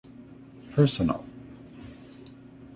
Personnel.